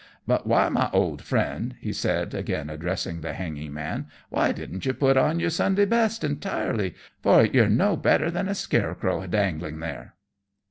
But why, my auld Friend," he said, again addressing the hanging man, "why didn't yer put on yer Sunday best intirely, for yer no better than a scarecrow dangling there?"